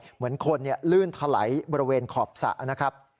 เหมือนคนลื่นถลายบริเวณขอบสระนะครับ